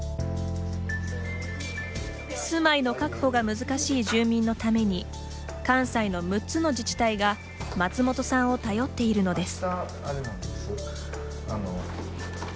住まいの確保が難しい住民のために関西の６つの自治体が松本さんを頼っているのです。